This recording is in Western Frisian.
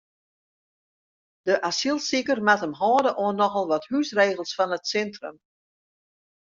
De asylsiker moat him hâlde oan nochal wat húsregels fan it sintrum.